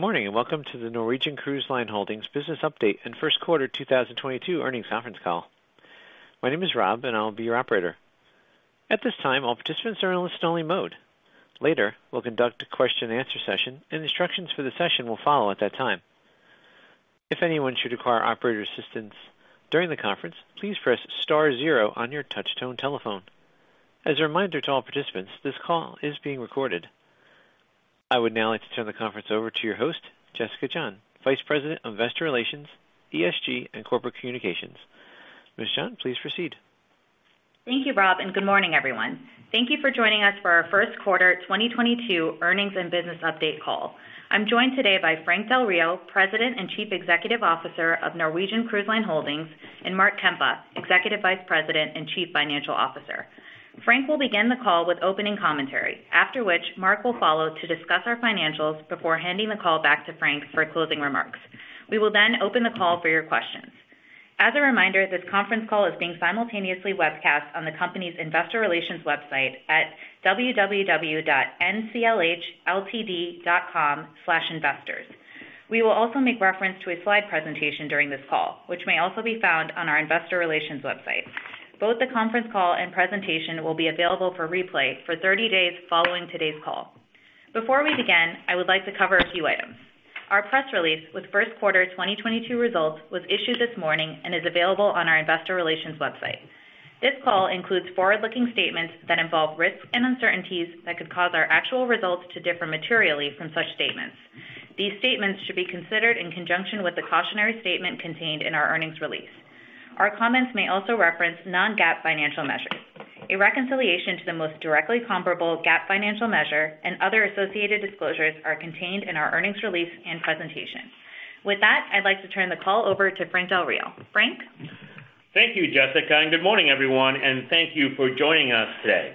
Good morning, and welcome to the Norwegian Cruise Line Holdings business update and first quarter 2022 earnings conference call. My name is Rob, and I'll be your operator. At this time, all participants are in listen-only mode. Later, we'll conduct a question and answer session, and instructions for the session will follow at that time. If anyone should require operator assistance during the conference, please press star zero on your touchtone telephone. As a reminder to all participants, this call is being recorded. I would now like to turn the conference over to your host, Jessica John, Vice President of Investor Relations, ESG, and Corporate Communications. Ms. John, please proceed. Thank you, Rob, and good morning, everyone. Thank you for joining us for our first-quarter 2022 earnings and business update call. I'm joined today by Frank Del Rio, President and Chief Executive Officer of Norwegian Cruise Line Holdings, and Mark Kempa, Executive Vice President and Chief Financial Officer. Frank will begin the call with opening commentary, after which Mark will follow to discuss our financials before handing the call back to Frank for closing remarks. We will then open the call for your questions. As a reminder, this conference call is being simultaneously webcast on the company's investor relations website at www.nclhltd.com/investors. We will also make reference to a slide presentation during this call, which may also be found on our investor relations website. Both the conference call and presentation will be available for replay for 30 days following today's call. Before we begin, I would like to cover a few items. Our press release with first quarter 2022 results was issued this morning and is available on our investor relations website. This call includes forward-looking statements that involve risks and uncertainties that could cause our actual results to differ materially from such statements. These statements should be considered in conjunction with the cautionary statement contained in our earnings release. Our comments may also reference non-GAAP financial measures. A reconciliation to the most directly comparable GAAP financial measure and other associated disclosures are contained in our earnings release and presentation. With that, I'd like to turn the call over to Frank Del Rio. Frank? Thank you, Jessica, and good morning, everyone, and thank you for joining us today.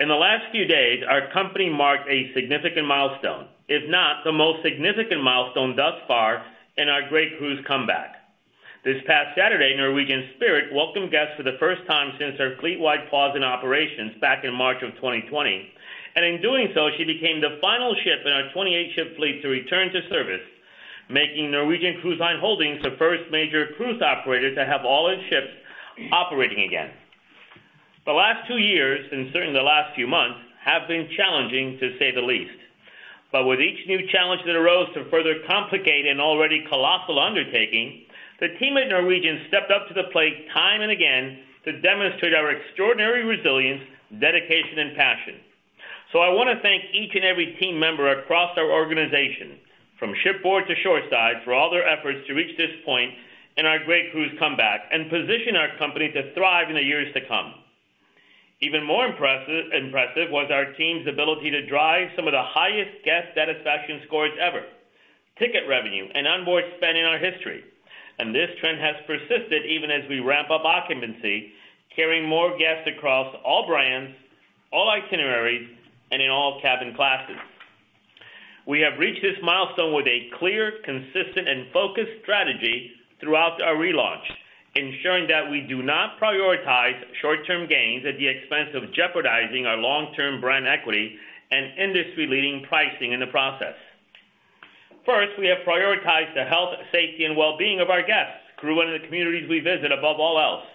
In the last few days, our company marked a significant milestone, if not the most significant milestone thus far in our great cruise comeback. This past Saturday, Norwegian Spirit welcomed guests for the first time since our fleet-wide pause in operations back in March of 2020, and in doing so, she became the final ship in our 28-ship fleet to return to service, making Norwegian Cruise Line Holdings the first major cruise operator to have all its ships operating again. The last two years, and certainly the last few months, have been challenging, to say the least. With each new challenge that arose to further complicate an already colossal undertaking, the team at Norwegian stepped up to the plate time and again to demonstrate our extraordinary resilience, dedication and passion. I wanna thank each and every team member across our organization, from shipboard to shoreside, for all their efforts to reach this point in our great cruise comeback and position our company to thrive in the years to come. Even more impressive was our team's ability to drive some of the highest guest satisfaction scores ever, ticket revenue and onboard spend in our history, and this trend has persisted even as we ramp up occupancy, carrying more guests across all brands, all itineraries, and in all cabin classes. We have reached this milestone with a clear, consistent, and focused strategy throughout our relaunch, ensuring that we do not prioritize short-term gains at the expense of jeopardizing our long-term brand equity and industry-leading pricing in the process. First, we have prioritized the health, safety, and well-being of our guests, crew, and the communities we visit above all else,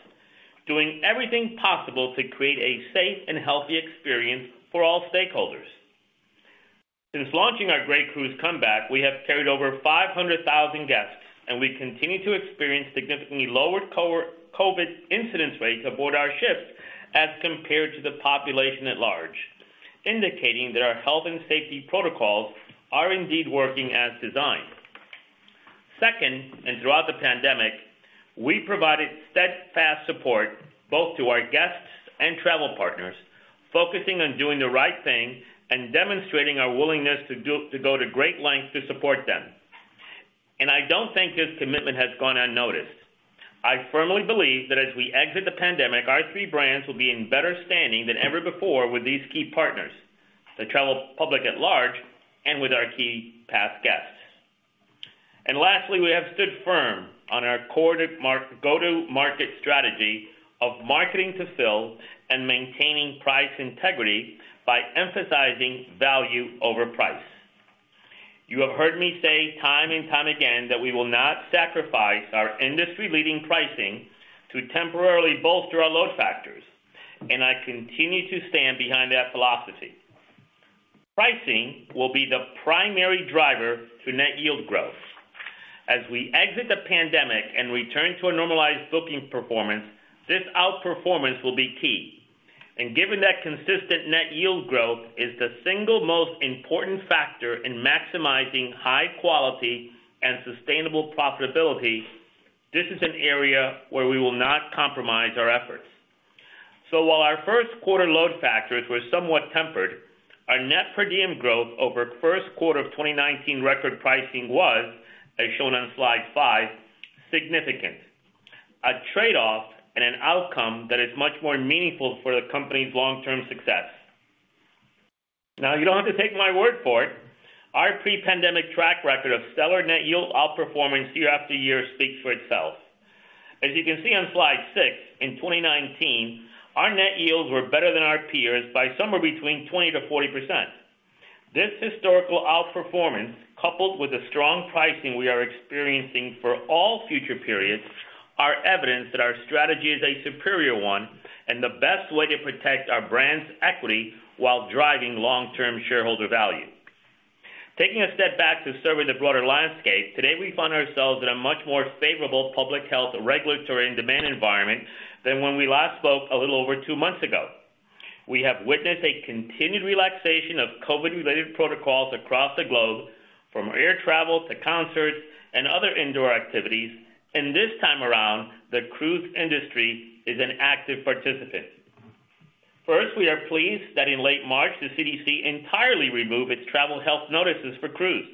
doing everything possible to create a safe and healthy experience for all stakeholders. Since launching our great cruise comeback, we have carried over 500,000 guests, and we continue to experience significantly lower COVID incidence rates aboard our ships as compared to the population at large, indicating that our health and safety protocols are indeed working as designed. Second, throughout the pandemic, we provided steadfast support both to our guests and travel partners, focusing on doing the right thing and demonstrating our willingness to go to great lengths to support them. I don't think this commitment has gone unnoticed. I firmly believe that as we exit the pandemic, our three brands will be in better standing than ever before with these key partners, the travel public at large, and with our key past guests. Lastly, we have stood firm on our core go-to-market strategy of marketing to fill and maintaining price integrity by emphasizing value over price. You have heard me say time and time again that we will not sacrifice our industry-leading pricing to temporarily bolster our load factors, and I continue to stand behind that philosophy. Pricing will be the primary driver to net yield growth. As we exit the pandemic and return to a normalized booking performance, this outperformance will be key. Given that consistent net yield growth is the single most important factor in maximizing high quality and sustainable profitability, this is an area where we will not compromise our efforts. While our first quarter load factors were somewhat tempered, our net per diem growth over first quarter of 2019 record pricing was, as shown on slide five, significant, a trade-off and an outcome that is much more meaningful for the company's long-term success. Now, you don't have to take my word for it. Our pre-pandemic track record of stellar net yield outperformance year after year speaks for itself. As you can see on slide six, in 2019, our net yields were better than our peers by somewhere between 20%-40%. This historical outperformance, coupled with the strong pricing we are experiencing for all future periods, are evidence that our strategy is a superior one and the best way to protect our brand's equity while driving long-term shareholder value. Taking a step back to survey the broader landscape, today we find ourselves in a much more favorable public health regulatory and demand environment than when we last spoke a little over two months ago. We have witnessed a continued relaxation of COVID-related protocols across the globe, from air travel to concerts and other indoor activities. This time around, the cruise industry is an active participant. First, we are pleased that in late March, the CDC entirely removed its travel health notices for cruise,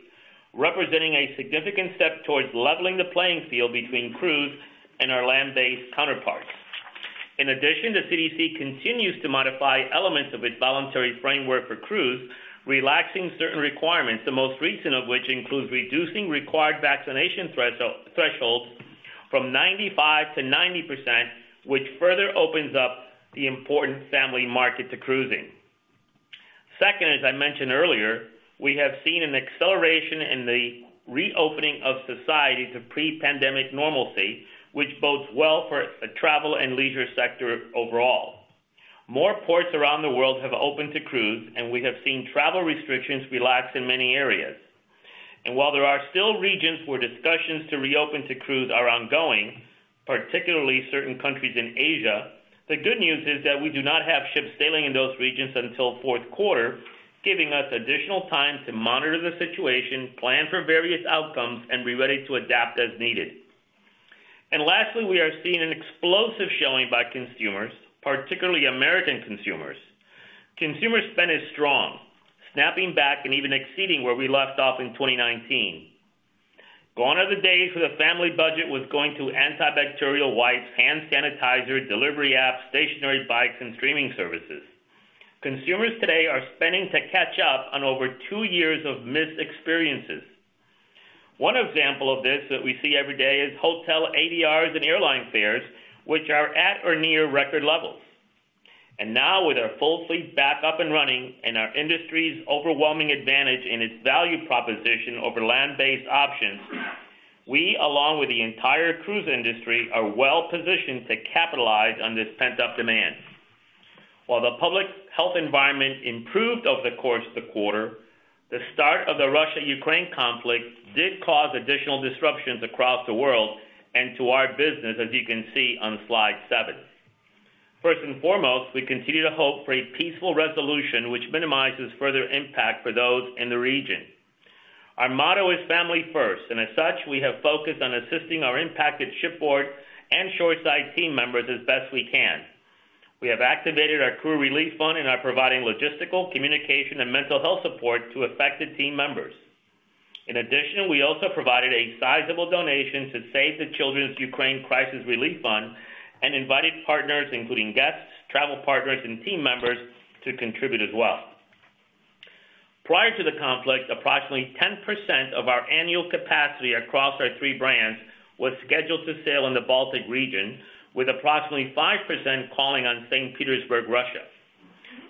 representing a significant step towards leveling the playing field between cruise and our land-based counterparts. In addition, the CDC continues to modify elements of its voluntary framework for cruise, relaxing certain requirements, the most recent of which includes reducing required vaccination thresholds from 95% to 90% which further opens up the important family market to cruising. Second, as I mentioned earlier, we have seen an acceleration in the reopening of society to pre-pandemic normalcy, which bodes well for a travel and leisure sector overall. More ports around the world have opened to cruise, and we have seen travel restrictions relax in many areas. While there are still regions where discussions to reopen to cruise are ongoing, particularly certain countries in Asia, the good news is that we do not have ships sailing in those regions until fourth quarter, giving us additional time to monitor the situation, plan for various outcomes, and be ready to adapt as needed. Lastly, we are seeing an explosive showing by consumers, particularly American consumers. Consumer spend is strong, snapping back and even exceeding where we left off in 2019. Gone are the days where the family budget was going to antibacterial wipes, hand sanitizer, delivery apps, stationary bikes, and streaming services. Consumers today are spending to catch up on over two years of missed experiences. One example of this that we see every day is hotel ADRs and airline fares, which are at or near record levels. Now, with our full fleet back up and running and our industry's overwhelming advantage in its value proposition over land-based options, we, along with the entire cruise industry, are well-positioned to capitalize on this pent-up demand. While the public health environment improved over the course of the quarter, the start of the Russia-Ukraine conflict did cause additional disruptions across the world and to our business as you can see on slide seven. First and foremost, we continue to hope for a peaceful resolution which minimizes further impact for those in the region. Our motto is family first, and as such, we have focused on assisting our impacted shipboard and shore-side team members as best we can. We have activated our crew relief fund and are providing logistical, communication, and mental health support to affected team members. In addition, we also provided a sizable donation to Save the Children’s Ukraine Crisis Relief Fund and invited partners, including guests, travel partners, and team members, to contribute as well. Prior to the conflict, approximately 10% of our annual capacity across our three brands was scheduled to sail in the Baltic region, with approximately 5% calling on St. Petersburg, Russia.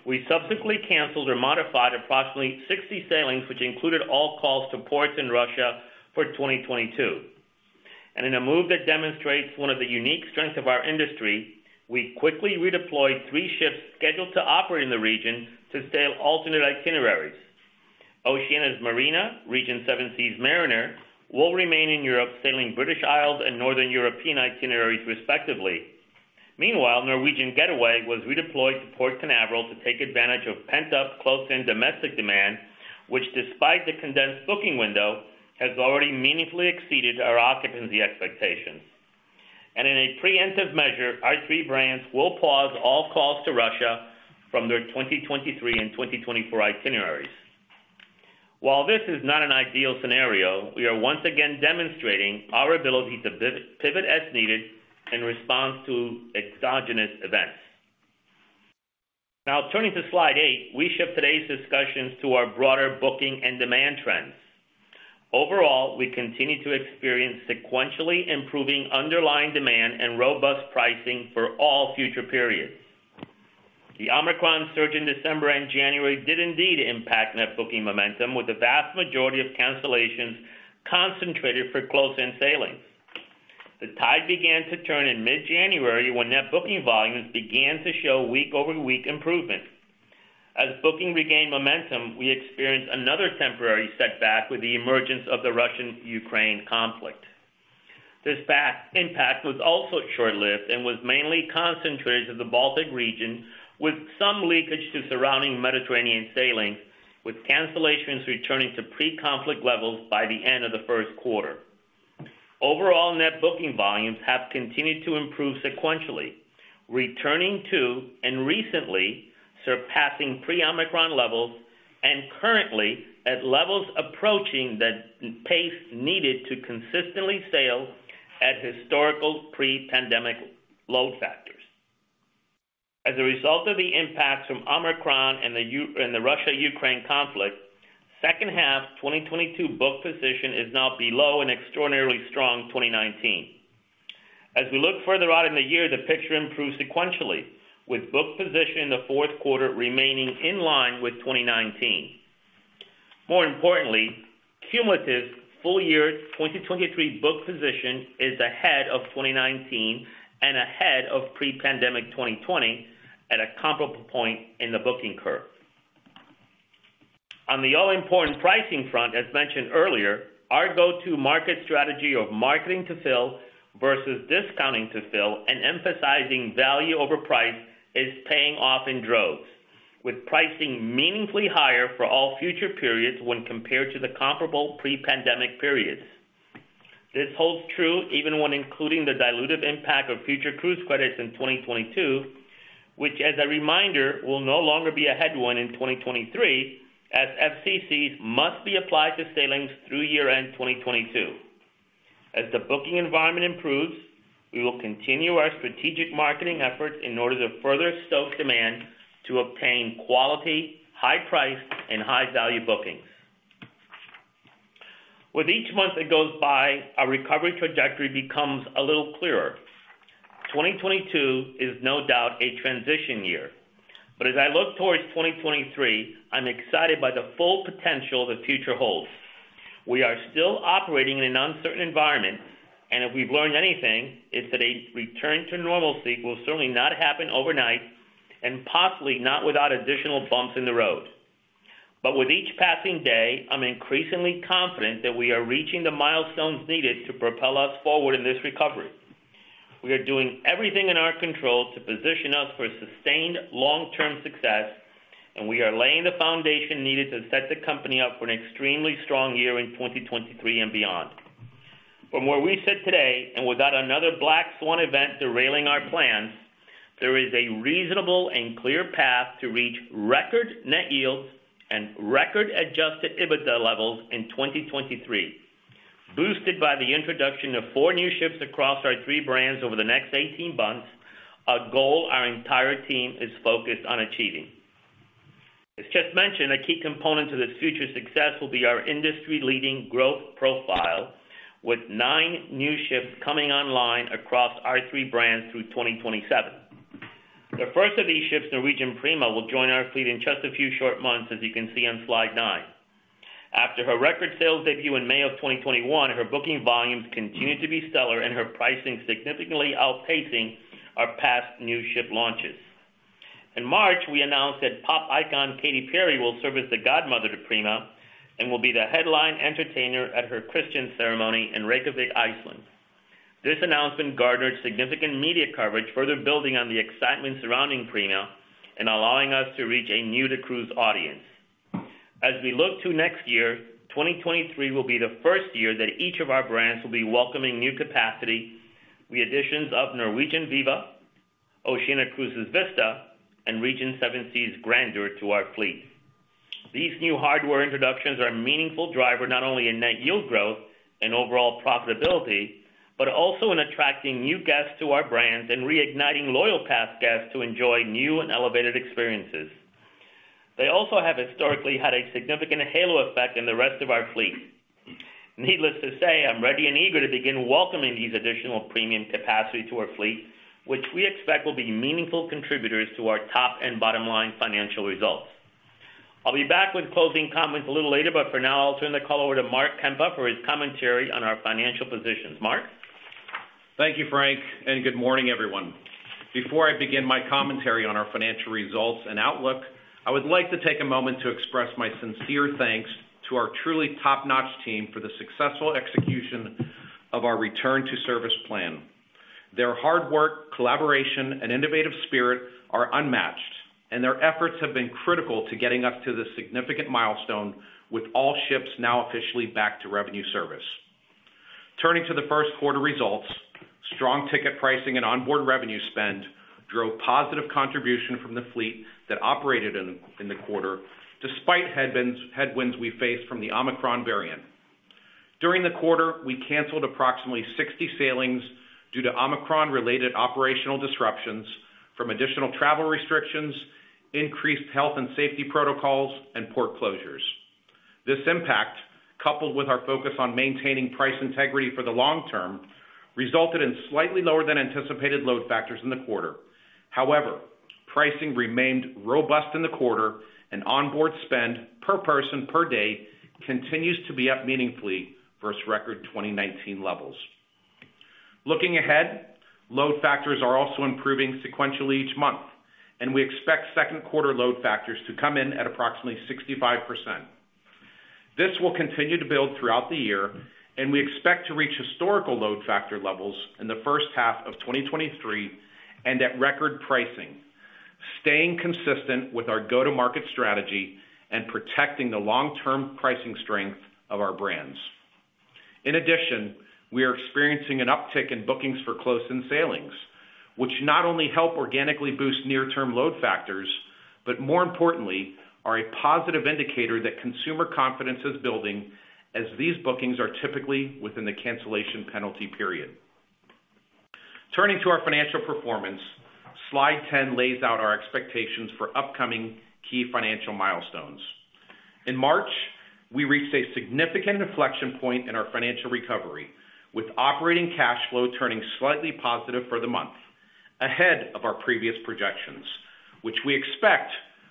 We subsequently canceled or modified approximately 60 sailings, which included all calls to ports in Russia for 2022. In a move that demonstrates one of the unique strengths of our industry, we quickly redeployed three ships scheduled to operate in the region to sail alternate itineraries. Oceania's Marina, Seven Seas Mariner will remain in Europe, sailing British Isles and Northern European itineraries respectively. Meanwhile, Norwegian Getaway was redeployed to Port Canaveral to take advantage of pent-up, close-in domestic demand, which despite the condensed booking window, has already meaningfully exceeded our occupancy expectations. In a preemptive measure, our three brands will pause all calls to Russia from their 2023 and 2024 itineraries. While this is not an ideal scenario, we are once again demonstrating our ability to pivot as needed in response to exogenous events. Now, turning to slide eight, we shift today's discussions to our broader booking and demand trends. Overall, we continue to experience sequentially improving underlying demand and robust pricing for all future periods. The Omicron surge in December and January did indeed impact net booking momentum, with the vast majority of cancellations concentrated for close-in sailings. The tide began to turn in mid-January, when net booking volumes began to show week-over-week improvement. As booking regained momentum, we experienced another temporary setback with the emergence of the Russia-Ukraine conflict. This impact was also short-lived and was mainly concentrated in the Baltic region, with some leakage to surrounding Mediterranean sailings, with cancellations returning to pre-conflict levels by the end of the first quarter. Overall, net booking volumes have continued to improve sequentially, returning to and recently surpassing pre-Omicron levels, and currently at levels approaching the pace needed to consistently sail at historical pre-pandemic load factors. As a result of the impacts from Omicron and the Russia-Ukraine conflict, second half 2022 booking position is now below an extraordinarily strong 2019. As we look further out in the year, the picture improves sequentially with booking position in the fourth quarter remaining in line with 2019. More importantly, cumulative full year 2023 booking position is ahead of 2019 and ahead of pre-pandemic 2020 at a comparable point in the booking curve. On the all-important pricing front, as mentioned earlier, our go-to-market strategy of marketing to fill versus discounting to fill and emphasizing value over price is paying off in droves, with pricing meaningfully higher for all future periods when compared to the comparable pre-pandemic periods. This holds true even when including the dilutive impact of future cruise credits in 2022, which, as a reminder, will no longer be a headwind in 2023, as FCCs must be applied to sailings through year-end 2022. As the booking environment improves, we will continue our strategic marketing efforts in order to further stoke demand to obtain quality, high price, and high-value bookings. With each month that goes by, our recovery trajectory becomes a little clearer. 2022 is no doubt a transition year, but as I look towards 2023, I'm excited by the full potential the future holds. We are still operating in an uncertain environment, and if we've learned anything, it's that a return to normalcy will certainly not happen overnight and possibly not without additional bumps in the road. With each passing day, I'm increasingly confident that we are reaching the milestones needed to propel us forward in this recovery. We are doing everything in our control to position us for sustained long-term success, and we are laying the foundation needed to set the company up for an extremely strong year in 2023 and beyond. From where we sit today, and without another black swan event derailing our plans, there is a reasonable and clear path to reach record net yields and record Adjusted EBITDA levels in 2023. Boosted by the introduction of four new ships across our three brands over the next 18 months, a goal our entire team is focused on achieving. As Jeff mentioned, a key component to this future success will be our industry-leading growth profile, with nine new ships coming online across our three brands through 2027. The first of these ships, Norwegian Prima, will join our fleet in just a few short months, as you can see on slide nine. After her record sales debut in May of 2021, her booking volumes continue to be stellar and her pricing significantly outpacing our past new ship launches. In March, we announced that pop icon Katy Perry will serve as the godmother to Prima and will be the headline entertainer at her christening ceremony in Reykjavík, Iceland. This announcement garnered significant media coverage, further building on the excitement surrounding Prima and allowing us to reach a new-to-cruise audience. As we look to next year, 2023 will be the first year that each of our brands will be welcoming new capacity, the additions of Norwegian Viva, Oceania Cruises' Vista, and Regent Seven Seas Grandeur to our fleet. These new hardware introductions are a meaningful driver, not only in net yield growth and overall profitability, but also in attracting new guests to our brands and reigniting loyal past guests to enjoy new and elevated experiences. They also have historically had a significant halo effect in the rest of our fleet. Needless to say, I'm ready and eager to begin welcoming these additional premium capacity to our fleet, which we expect will be meaningful contributors to our top and bottom line financial results. I'll be back with closing comments a little later, but for now, I'll turn the call over to Mark Kempa for his commentary on our financial positions. Mark? Thank you, Frank, and good morning, everyone. Before I begin my commentary on our financial results and outlook, I would like to take a moment to express my sincere thanks to our truly top-notch team for the successful execution of our return-to-service plan. Their hard work, collaboration, and innovative spirit are unmatched, and their efforts have been critical to getting us to this significant milestone with all ships now officially back to revenue service. Turning to the first quarter results, strong ticket pricing and onboard revenue spend drove positive contribution from the fleet that operated in the quarter, despite headwinds we faced from the Omicron variant. During the quarter, we canceled approximately 60 sailings due to Omicron-related operational disruptions from additional travel restrictions, increased health and safety protocols, and port closures. This impact, coupled with our focus on maintaining price integrity for the long term, resulted in slightly lower than anticipated load factors in the quarter. However, pricing remained robust in the quarter, and onboard spend per person per day continues to be up meaningfully versus record 2019 levels. Looking ahead, load factors are also improving sequentially each month, and we expect second quarter load factors to come in at approximately 65%. This will continue to build throughout the year, and we expect to reach historical load factor levels in the first half of 2023 and at record pricing, staying consistent with our go-to-market strategy and protecting the long-term pricing strength of our brands. In addition, we are experiencing an uptick in bookings for close-in sailings, which not only help organically boost near-term load factors, but more importantly, are a positive indicator that consumer confidence is building as these bookings are typically within the cancellation penalty period. Turning to our financial performance, slide 10 lays out our expectations for upcoming key financial milestones. In March, we reached a significant inflection point in our financial recovery, with operating cash flow turning slightly positive for the month, ahead of our previous projections, which we expect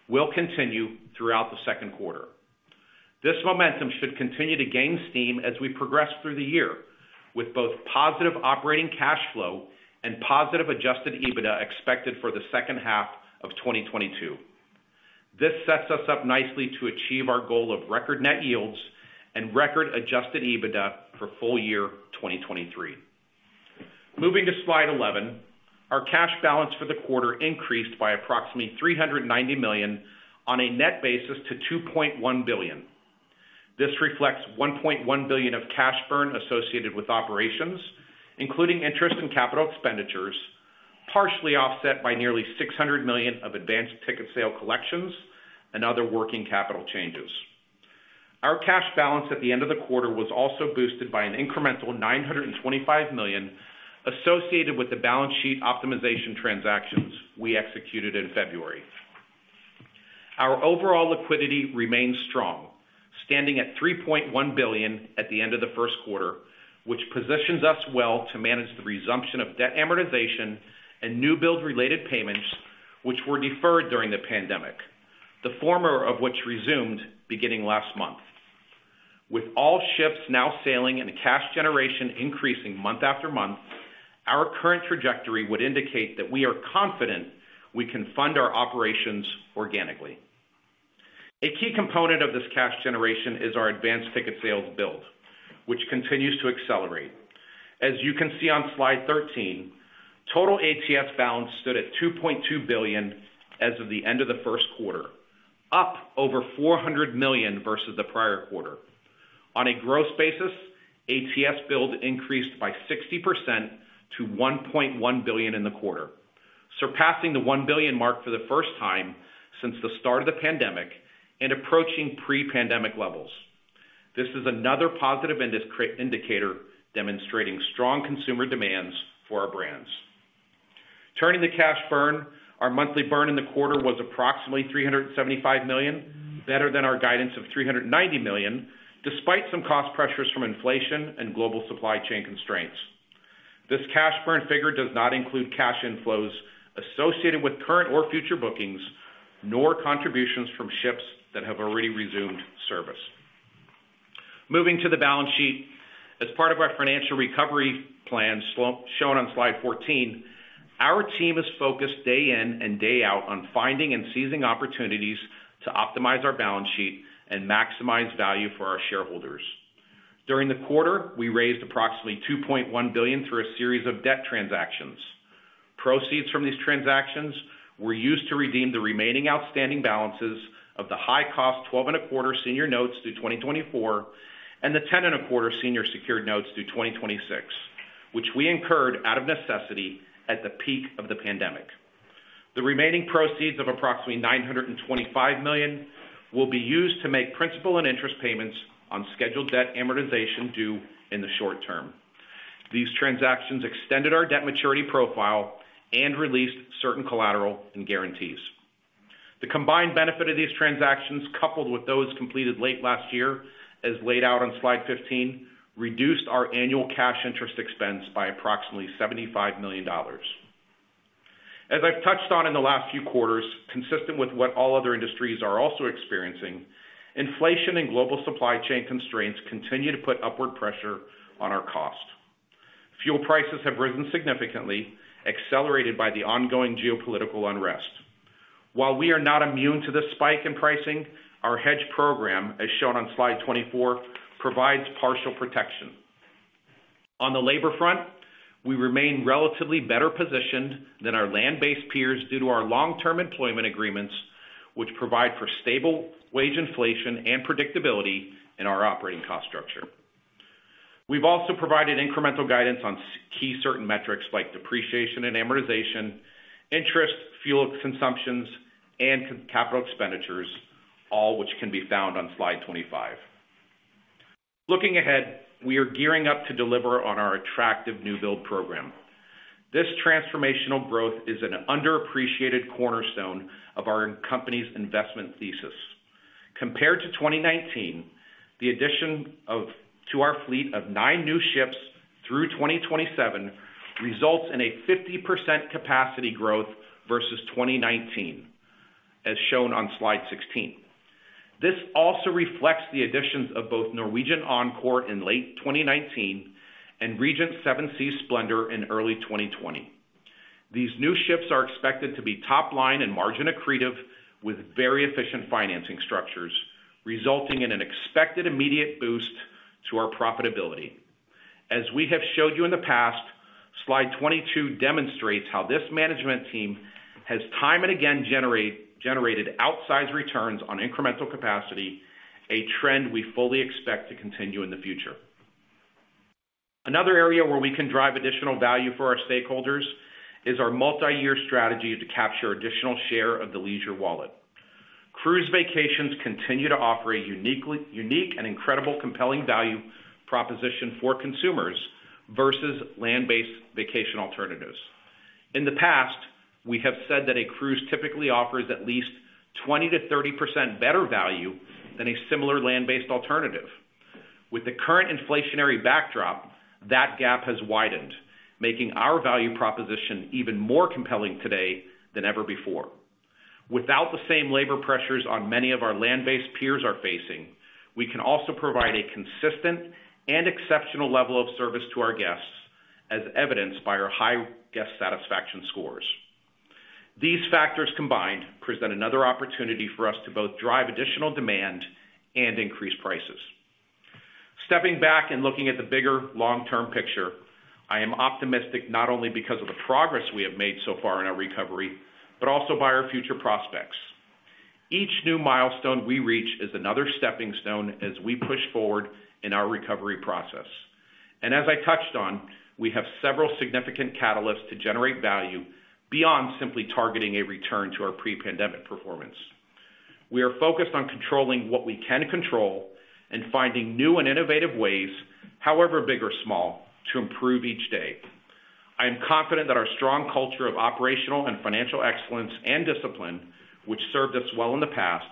will continue throughout the second quarter. This momentum should continue to gain steam as we progress through the year, with both positive operating cash flow and positive Adjusted EBITDA expected for the second half of 2022. This sets us up nicely to achieve our goal of record net yields and record Adjusted EBITDA for full year 2023. Moving to slide 11, our cash balance for the quarter increased by approximately $390 million on a net basis to $2.1 billion. This reflects $1.1 billion of cash burn associated with operations, including interest and capital expenditures, partially offset by nearly $600 million of advanced ticket sale collections and other working capital changes. Our cash balance at the end of the quarter was also boosted by an incremental $925 million associated with the balance sheet optimization transactions we executed in February. Our overall liquidity remains strong, standing at $3.1 billion at the end of the first quarter, which positions us well to manage the resumption of debt amortization and new build-related payments which were deferred during the pandemic, the former of which resumed beginning last month. With all ships now sailing and the cash generation increasing month after month, our current trajectory would indicate that we are confident we can fund our operations organically. A key component of this cash generation is our advanced ticket sales build, which continues to accelerate. As you can see on slide 13, total ATS balance stood at $2.2 billion as of the end of the first quarter, up over $400 million versus the prior quarter. On a gross basis, ATS build increased by 60% to $1.1 billion in the quarter, surpassing the $1 billion mark for the first time since the start of the pandemic and approaching pre-pandemic levels. This is another positive industry indicator demonstrating strong consumer demand for our brands. Turning to cash burn, our monthly burn in the quarter was approximately $375 million, better than our guidance of $390 million, despite some cost pressures from inflation and global supply chain constraints. This cash burn figure does not include cash inflows associated with current or future bookings, nor contributions from ships that have already resumed service. Moving to the balance sheet. As part of our financial recovery plan shown on slide 14, our team is focused day in and day out on finding and seizing opportunities to optimize our balance sheet and maximize value for our shareholders. During the quarter, we raised approximately $2.1 billion through a series of debt transactions. Proceeds from these transactions were used to redeem the remaining outstanding balances of the high-cost 12.25% senior notes through 2024 and the 10.25% senior secured notes through 2026, which we incurred out of necessity at the peak of the pandemic. The remaining proceeds of approximately $925 million will be used to make principal and interest payments on scheduled debt amortization due in the short term. These transactions extended our debt maturity profile and released certain collateral and guarantees. The combined benefit of these transactions, coupled with those completed late last year, as laid out on slide 15, reduced our annual cash interest expense by approximately $75 million. As I've touched on in the last few quarters, consistent with what all other industries are also experiencing, inflation and global supply chain constraints continue to put upward pressure on our cost. Fuel prices have risen significantly, accelerated by the ongoing geopolitical unrest. While we are not immune to this spike in pricing, our hedge program, as shown on slide 24, provides partial protection. On the labor front, we remain relatively better positioned than our land-based peers due to our long-term employment agreements, which provide for stable wage inflation and predictability in our operating cost structure. We've also provided incremental guidance on such key certain metrics like depreciation and amortization, interest, fuel consumption, and capital expenditures, all which can be found on slide 25. Looking ahead, we are gearing up to deliver on our attractive new build program. This transformational growth is an underappreciated cornerstone of our company's investment thesis. Compared to 2019, the addition to our fleet of nine new ships through 2027 results in a 50% capacity growth versus 2019, as shown on slide 16. This also reflects the additions of both Norwegian Encore in late 2019 and Seven Seas Splendor in early 2020. These new ships are expected to be top line and margin accretive with very efficient financing structures, resulting in an expected immediate boost to our profitability. As we have showed you in the past, slide 22 demonstrates how this management team has time and again generated outsized returns on incremental capacity, a trend we fully expect to continue in the future. Another area where we can drive additional value for our stakeholders is our multi-year strategy to capture additional share of the leisure wallet. Cruise vacations continue to offer a unique and incredibly compelling value proposition for consumers versus land-based vacation alternatives. In the past, we have said that a cruise typically offers at least 20%-30% better value than a similar land-based alternative. With the current inflationary backdrop, that gap has widened, making our value proposition even more compelling today than ever before. Without the same labor pressures that many of our land-based peers are facing, we can also provide a consistent and exceptional level of service to our guests, as evidenced by our high guest satisfaction scores. These factors combined present another opportunity for us to both drive additional demand and increase prices. Stepping back and looking at the bigger long-term picture, I am optimistic not only because of the progress we have made so far in our recovery, but also about our future prospects. Each new milestone we reach is another stepping stone as we push forward in our recovery process. As I touched on, we have several significant catalysts to generate value beyond simply targeting a return to our pre-pandemic performance. We are focused on controlling what we can control and finding new and innovative ways, however big or small, to improve each day. I am confident that our strong culture of operational and financial excellence and discipline, which served us well in the past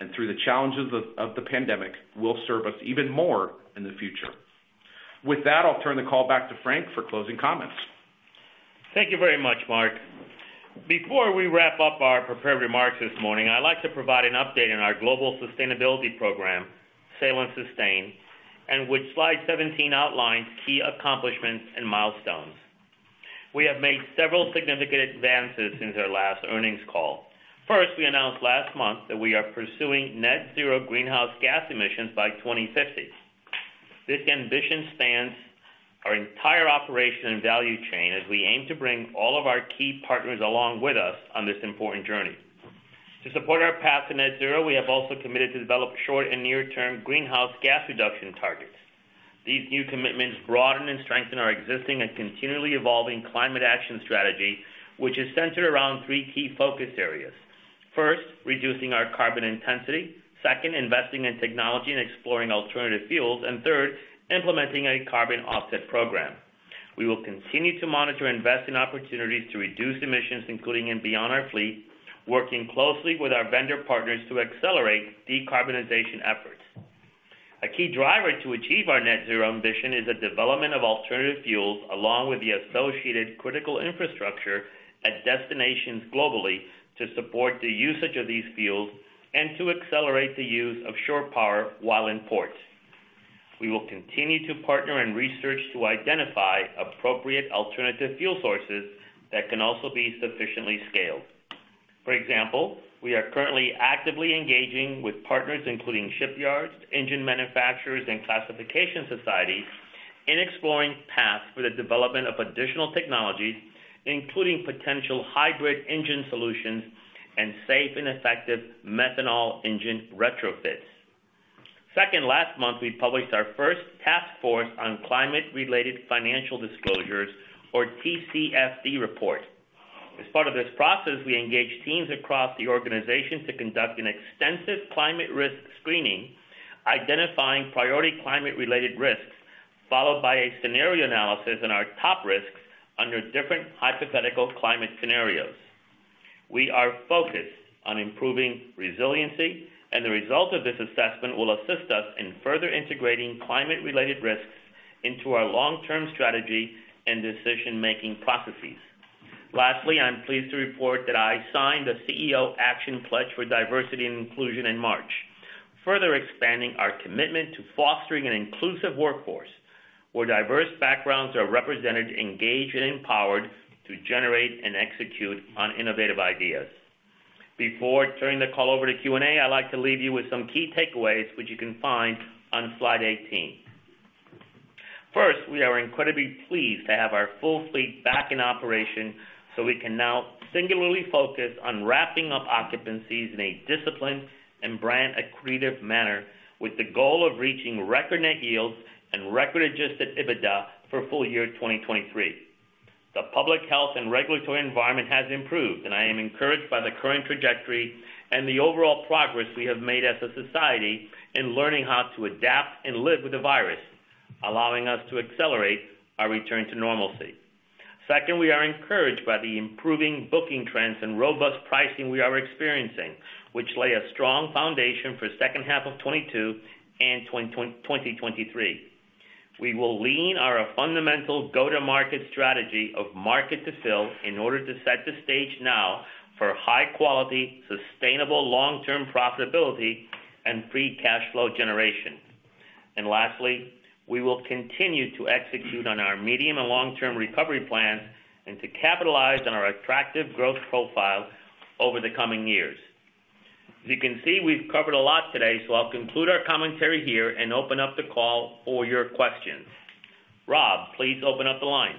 and through the challenges of the pandemic, will serve us even more in the future. With that, I'll turn the call back to Frank for closing comments. Thank you very much, Mark. Before we wrap up our prepared remarks this morning, I'd like to provide an update on our global sustainability program, Sail & Sustain, and which slide 17 outlines key accomplishments and milestones. We have made several significant advances since our last earnings call. First, we announced last month that we are pursuing net zero greenhouse gas emissions by 2050. This ambition spans our entire operation and value chain as we aim to bring all of our key partners along with us on this important journey. To support our path to net zero, we have also committed to develop short and near-term greenhouse gas reduction targets. These new commitments broaden and strengthen our existing and continually evolving climate action strategy, which is centered around three key focus areas. First, reducing our carbon intensity. Second, investing in technology and exploring alternative fuels. Third, implementing a carbon offset program. We will continue to monitor investment opportunities to reduce emissions, including and beyond our fleet, working closely with our vendor partners to accelerate decarbonization efforts. A key driver to achieve our net zero ambition is the development of alternative fuels along with the associated critical infrastructure at destinations globally to support the usage of these fuels and to accelerate the use of shore power while in port. We will continue to partner in research to identify appropriate alternative fuel sources that can also be sufficiently scaled. For example, we are currently actively engaging with partners including shipyards, engine manufacturers, and classification societies in exploring paths for the development of additional technologies, including potential hybrid engine solutions and safe and effective methanol engine retrofits. Second, last month, we published our first Task Force on Climate-related Financial Disclosures, or TCFD report. As part of this process, we engaged teams across the organization to conduct an extensive climate risk screening, identifying priority climate-related risks, followed by a scenario analysis on our top risks under different hypothetical climate scenarios. We are focused on improving resiliency, and the result of this assessment will assist us in further integrating climate-related risks into our long-term strategy and decision-making processes. Lastly, I'm pleased to report that I signed a CEO Action for Diversity & Inclusion pledge in March, further expanding our commitment to fostering an inclusive workforce where diverse backgrounds are represented, engaged, and empowered to generate and execute on innovative ideas. Before turning the call over to Q&A, I'd like to leave you with some key takeaways which you can find on slide 18. First, we are incredibly pleased to have our full fleet back in operation, so we can now singularly focus on wrapping up occupancies in a disciplined and brand-accretive manner with the goal of reaching record net yields and record Adjusted EBITDA for full year 2023. The public health and regulatory environment has improved, and I am encouraged by the current trajectory and the overall progress we have made as a society in learning how to adapt and live with the virus, allowing us to accelerate our return to normalcy. Second, we are encouraged by the improving booking trends and robust pricing we are experiencing, which lay a strong foundation for second half of 2022 and 2023. We will lean our fundamental go-to-market strategy of market to fill in order to set the stage now for high quality, sustainable long-term profitability and free cash flow generation. Lastly, we will continue to execute on our medium and long-term recovery plans and to capitalize on our attractive growth profile over the coming years. As you can see, we've covered a lot today, so I'll conclude our commentary here and open up the call for your questions. Rob, please open up the line.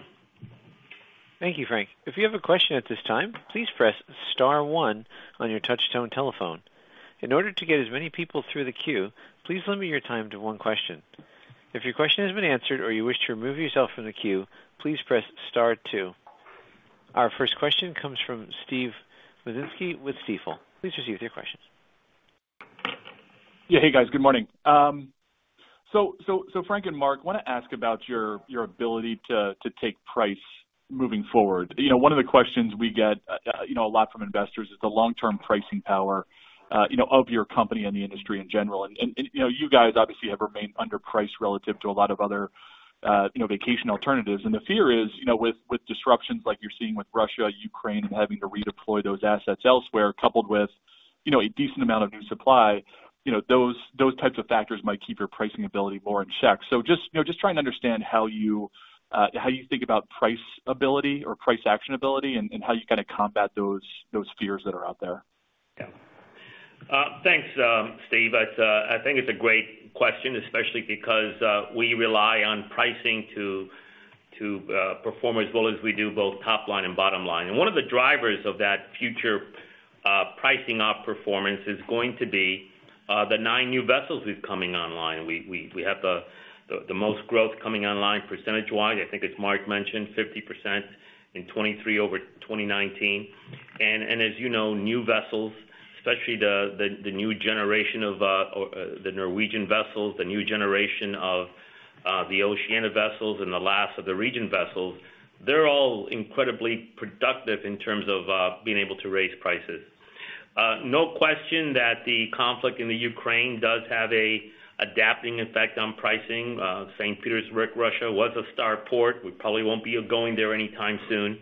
Thank you, Frank. If you have a question at this time, please press star one on your touchtone telephone. In order to get as many people through the queue, please limit your time to one question. If your question has been answered or you wish to remove yourself from the queue, please press star two. Our first question comes from Steven Wieczynski with Stifel. Please proceed with your questions. Yeah. Hey, guys. Good morning. So Frank and Mark, wanna ask about your ability to take price moving forward. You know, one of the questions we get, you know, a lot from investors is the long-term pricing power, you know, of your company and the industry in general. You know, you guys obviously have remained underpriced relative to a lot of other, you know, vacation alternatives. The fear is, you know, with disruptions like you're seeing with Russia, Ukraine, and having to redeploy those assets elsewhere, coupled with, you know, a decent amount of new supply, you know, those types of factors might keep your pricing ability more in check. Just, you know, just trying to understand how you think about pricing ability or price elasticity and how you kinda combat those fears that are out there. Yeah. Thanks, Steve. That's a great question, especially because we rely on pricing to perform as well as we do both top line and bottom line. One of the drivers of that future pricing performance is going to be the nine new vessels who's coming online. We have the most growth coming online percentage-wise. I think as Mark mentioned, 50% in 2023 over 2019. As you know, new vessels, especially the new generation of the Norwegian vessels, the new generation of the Oceania vessels and the last of the Regent vessels, they're all incredibly productive in terms of being able to raise prices. No question that the conflict in Ukraine does have an adverse effect on pricing. St. Petersburg, Russia was a star port. We probably won't be going there anytime soon.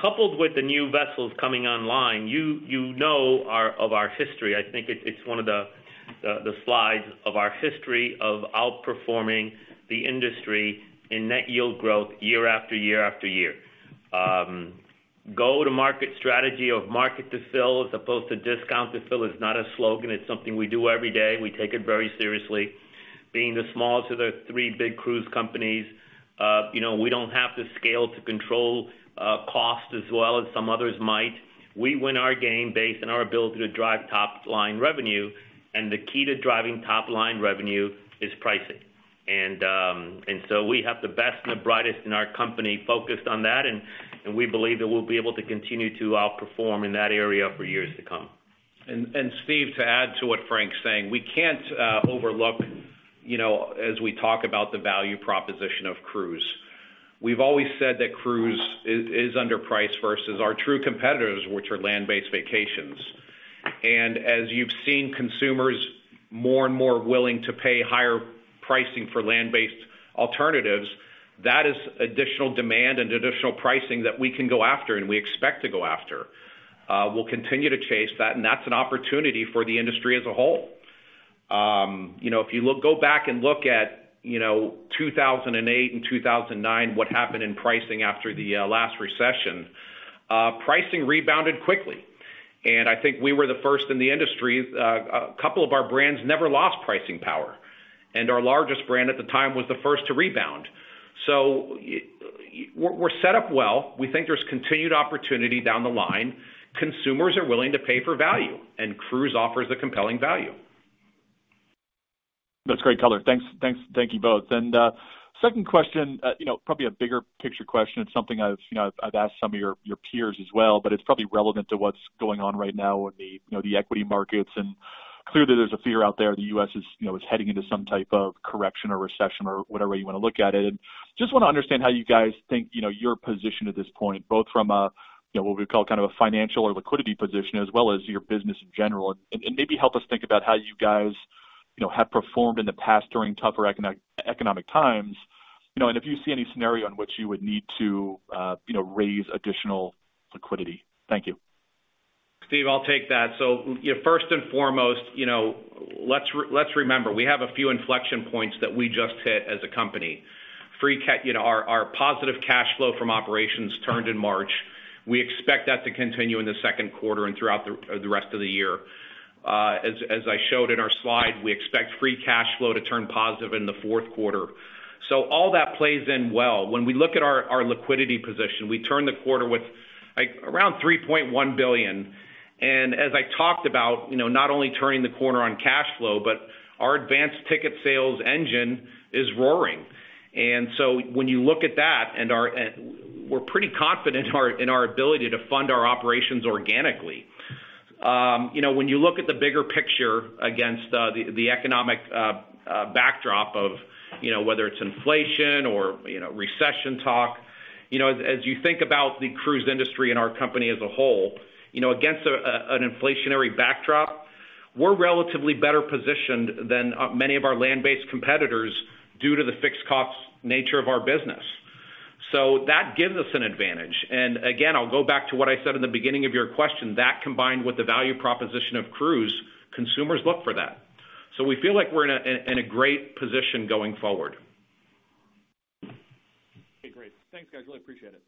Coupled with the new vessels coming online, you know our history. I think it's one of the slides of our history of outperforming the industry in net yield growth year after year after year. Go-to-market strategy of market to fill as opposed to discount to fill is not a slogan. It's something we do every day. We take it very seriously. Being the smallest of the three big cruise companies, you know, we don't have the scale to control cost as well as some others might. We win our game based on our ability to drive top-line revenue, and the key to driving top-line revenue is pricing. We have the best and the brightest in our company focused on that, and we believe that we'll be able to continue to outperform in that area for years to come. Steve, to add to what Frank's saying, we can't overlook, you know, as we talk about the value proposition of cruise. We've always said that cruise is underpriced versus our true competitors, which are land-based vacations. As you've seen consumers more and more willing to pay higher pricing for land-based alternatives, that is additional demand and additional pricing that we can go after and we expect to go after. We'll continue to chase that, and that's an opportunity for the industry as a whole. You know, if you go back and look at, you know, 2008 and 2009, what happened in pricing after the last recession, pricing rebounded quickly. I think we were the first in the industry. A couple of our brands never lost pricing power, and our largest brand at the time was the first to rebound. We're set up well. We think there's continued opportunity down the line. Consumers are willing to pay for value, and cruise offers a compelling value. That's great color. Thanks. Thank you both. Second question, you know, probably a bigger picture question. It's something I've, you know, I've asked some of your peers as well, but it's probably relevant to what's going on right now with the, you know, the equity markets. Clearly there's a fear out there the U.S. is, you know, heading into some type of correction or recession or whatever you wanna look at it. Just wanna understand how you guys think, you know, your position at this point, both from a, you know, what we call kind of a financial or liquidity position, as well as your business in general. Maybe help us think about how you guys, you know, have performed in the past during tougher economic times, you know, and if you see any scenario in which you would need to, you know, raise additional liquidity. Thank you. Steve, I'll take that. First and foremost, you know, let's remember, we have a few inflection points that we just hit as a company. You know, our positive cash flow from operations turned in March. We expect that to continue in the second quarter and throughout the rest of the year. As I showed in our slide, we expect free cash flow to turn positive in the fourth quarter. All that plays in well. When we look at our liquidity position, we ended the quarter with, like, around $3.1 billion. As I talked about, you know, not only turning the corner on cash flow, but our advanced ticket sales engine is roaring. When you look at that, we're pretty confident in our ability to fund our operations organically. You know, when you look at the bigger picture against the economic backdrop of, you know, whether it's inflation or, you know, recession talk, you know, as you think about the cruise industry and our company as a whole, you know, against an inflationary backdrop, we're relatively better positioned than many of our land-based competitors due to the fixed cost nature of our business. That gives us an advantage. Again, I'll go back to what I said in the beginning of your question, that combined with the value proposition of cruise, consumers look for that. We feel like we're in a great position going forward. Okay, great. Thanks, guys. Really appreciate it.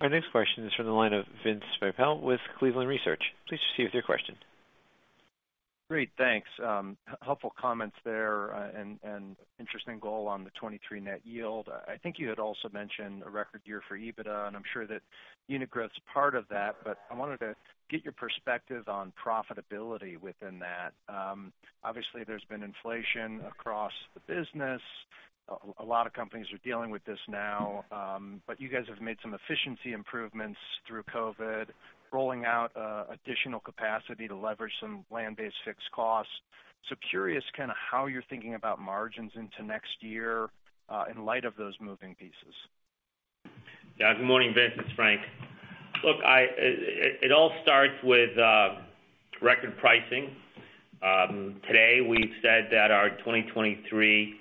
Our next question is from the line of Vince Ciepiel with Cleveland Research. Please proceed with your question. Great. Thanks. Helpful comments there, and interesting goal on the 2023 net yield. I think you had also mentioned a record year for EBITDA, and I'm sure that unit growth's part of that, but I wanted to get your perspective on profitability within that. Obviously there's been inflation across the business. A lot of companies are dealing with this now, but you guys have made some efficiency improvements through COVID, rolling out additional capacity to leverage some land-based fixed costs. Curious kind of how you're thinking about margins into next year, in light of those moving pieces. Yeah. Good morning, Vince. It's Frank. Look, it all starts with record pricing. Today, we've said that our 2023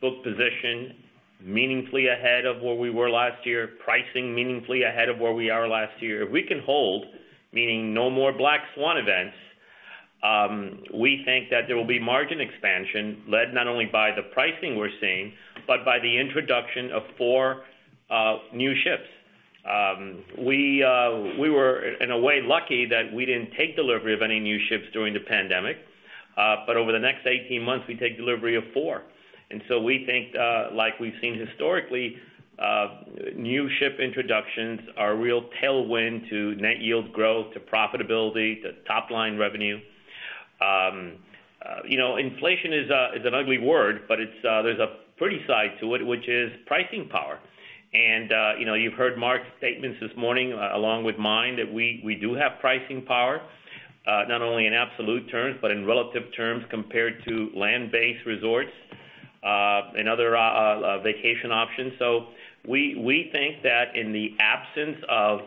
book position meaningfully ahead of where we were last year, pricing meaningfully ahead of where we are last year. If we can hold, meaning no more black swan events, we think that there will be margin expansion led not only by the pricing we're seeing, but by the introduction of four new ships. We were in a way lucky that we didn't take delivery of any new ships during the pandemic, but over the next 18 months, we take delivery of four. We think, like we've seen historically, new ship introductions are a real tailwind to net yield growth, to profitability, to top-line revenue. You know, inflation is an ugly word, but there is a pretty side to it, which is pricing power. You know, you've heard Mark's statements this morning along with mine, that we do have pricing power, not only in absolute terms, but in relative terms compared to land-based resorts and other vacation options. We think that in the absence of,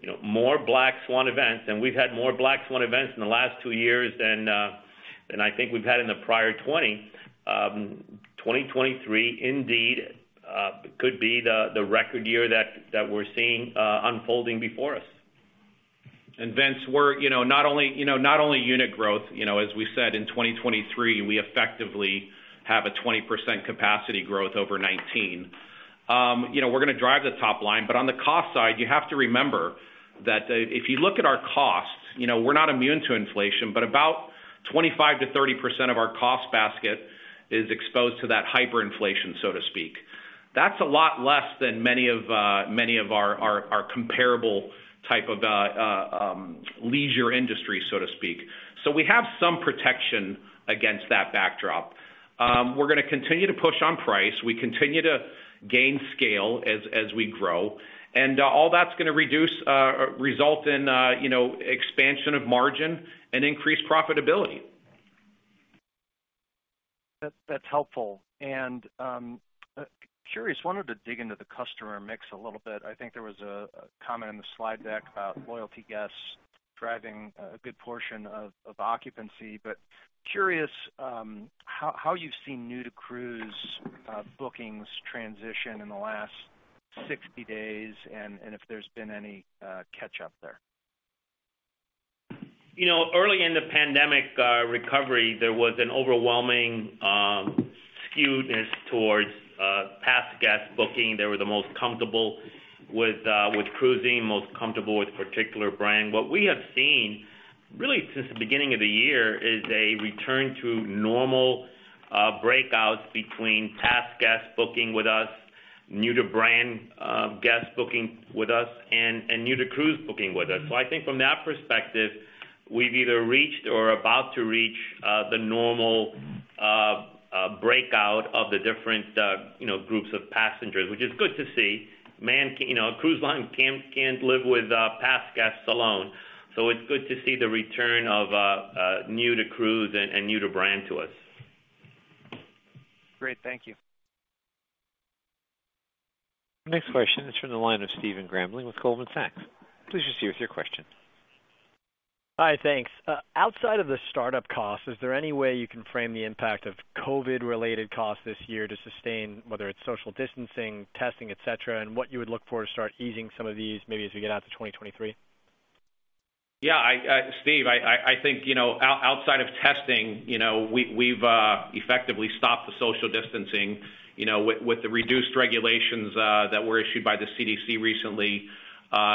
you know, more black swan events, and we've had more black swan events in the last two years than I think we've had in the prior 20, 2023 indeed could be the record year that we're seeing unfolding before us. Vince, we're, you know, not only unit growth. You know, as we said, in 2023, we effectively have a 20% capacity growth over 2019. You know, we're gonna drive the top line. On the cost side, you have to remember that, if you look at our costs, you know, we're not immune to inflation, but about 25%-30% of our cost basket is exposed to that hyperinflation, so to speak. That's a lot less than many of our comparable type of leisure industry, so to speak. We have some protection against that backdrop. We're gonna continue to push on price. We continue to gain scale as we grow. Result in, you know, expansion of margin and increased profitability. That's helpful. Curious, wanted to dig into the customer mix a little bit. I think there was a comment in the slide deck about loyalty guests driving a good portion of occupancy. Curious, how you've seen new-to-cruise bookings transition in the last 60 days and if there's been any catch-up there. You know, early in the pandemic recovery, there was an overwhelming skewness towards past guest booking. They were the most comfortable with cruising, most comfortable with particular brand. What we have seen really since the beginning of the year is a return to normal breakouts between past guest booking with us, new-to-brand guest booking with us, and new-to-cruise booking with us. I think from that perspective, we've either reached or are about to reach the normal breakout of the different you know groups of passengers, which is good to see. Man, you know, a cruise line can't live with past guests alone, so it's good to see the return of new-to-cruise and new-to-brand to us. Great. Thank you. Next question is from the line of Stephen Grambling with Goldman Sachs. Please proceed with your question. Hi. Thanks. Outside of the startup costs, is there any way you can frame the impact of COVID-related costs this year, the Sail & Sustain, whether it's social distancing, testing, et cetera, and what you would look for to start easing some of these maybe as we get out to 2023? Yeah. Steve, I think, you know, outside of testing, you know, we've effectively stopped the social distancing, you know, with the reduced regulations that were issued by the CDC recently.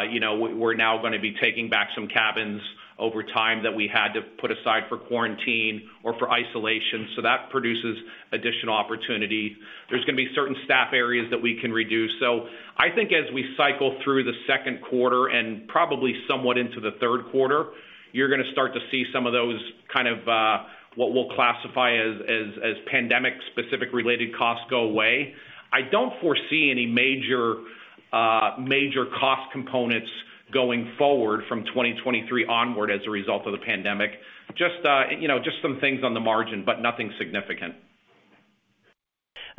You know, we're now gonna be taking back some cabins over time that we had to put aside for quarantine or for isolation, so that produces additional opportunity. There's gonna be certain staff areas that we can reduce. I think as we cycle through the second quarter and probably somewhat into the third quarter, you're gonna start to see some of those kind of what we'll classify as pandemic-specific related costs go away. I don't foresee any major cost components going forward from 2023 onward as a result of the pandemic. Just you know, just some things on the margin, but nothing significant.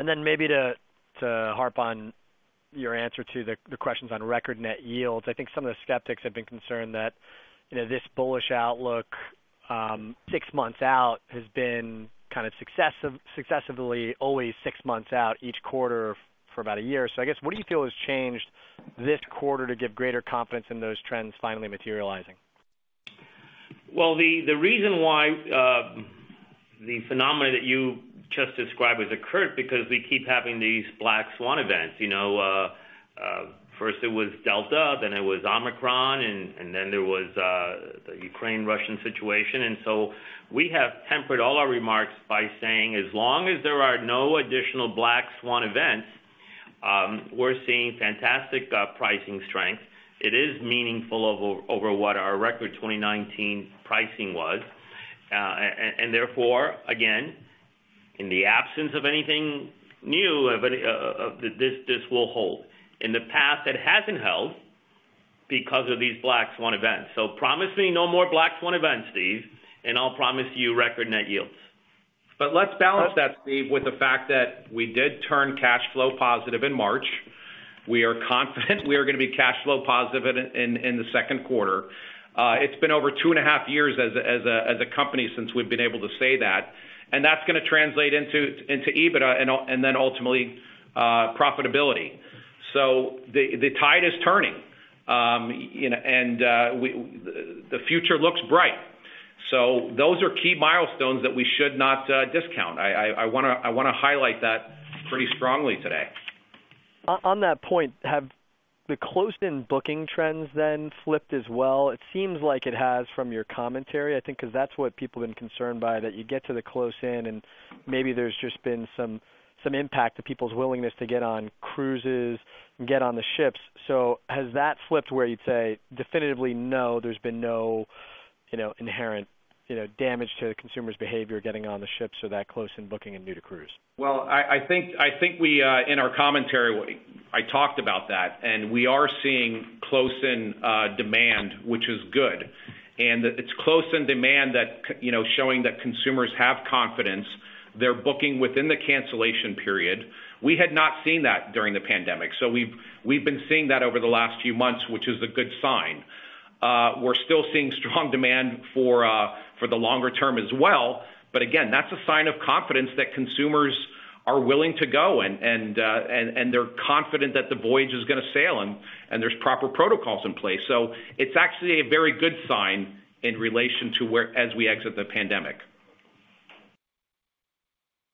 Maybe to harp on your answer to the questions on record net yields. I think some of the skeptics have been concerned that, you know, this bullish outlook six months out has been kind of successively always six months out each quarter for about a year. I guess, what do you feel has changed this quarter to give greater confidence in those trends finally materializing? Well, the reason why the phenomenon that you just described has occurred is because we keep having these black swan events. You know, first it was Delta, then it was Omicron, and then there was the Ukraine-Russian situation. We have tempered all our remarks by saying, as long as there are no additional black swan events, we're seeing fantastic pricing strength. It is meaningful over what our record 2019 pricing was. And therefore, again, in the absence of anything new, of any of this will hold. In the past, it hasn't held because of these black swan events. Promise me no more black swan events, Steve, and I'll promise you record net yields. Let's balance that, Steve, with the fact that we did turn cash flow positive in March. We are confident we are gonna be cash flow positive in the second quarter. It's been over 2.5 years as a company since we've been able to say that. That's gonna translate into EBITDA and then ultimately profitability. The tide is turning, you know, and the future looks bright. Those are key milestones that we should not discount. I wanna highlight that pretty strongly today. On that point, have the close-in booking trends then flipped as well? It seems like it has from your commentary, I think, 'cause that's what people have been concerned by, that you get to the close in and maybe there's just been some impact to people's willingness to get on cruises and get on the ships. Has that flipped where you'd say definitively, no, there's been no, you know, inherent, you know, damage to the consumer's behavior getting on the ships or that close in booking and new to cruise? Well, I think in our commentary, I talked about that. We are seeing close-in demand, which is good. It's close-in demand, you know, showing that consumers have confidence. They're booking within the cancellation period. We had not seen that during the pandemic. We've been seeing that over the last few months, which is a good sign. We're still seeing strong demand for the longer term as well, but again, that's a sign of confidence that consumers are willing to go and they're confident that the voyage is gonna sail and there's proper protocols in place. It's actually a very good sign in relation to where we are as we exit the pandemic.